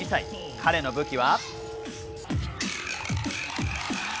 彼の武器は。